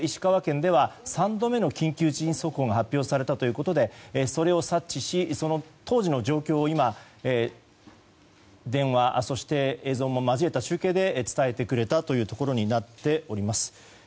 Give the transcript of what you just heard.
そこで石川県では３度目の緊急地震速報が発表されたということでそれを察知しその当時の状況を今、電話そして映像も交えた中継で伝えてくれたというところになっております。